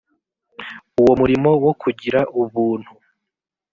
uwo murimo wo kugira ubuntu